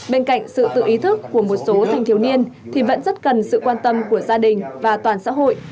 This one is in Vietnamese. bên cạnh sự tự ý thức của một số thanh thiếu niên thì vẫn rất cần sự quan tâm của gia đình và toàn xã hội